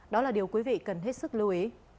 đó là điều quý vị cần hết sức lưu ý